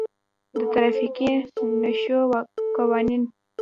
د ترافیکي نښو قوانین: